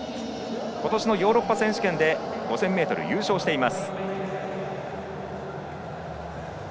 今年のヨーロッパ選手権で５０００ｍ、優勝しています。